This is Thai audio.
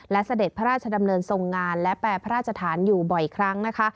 และเสด็จพระราชดำเนินทรงงานและแปรพระราชฐานอยู่บ่อยครั้งนะคะ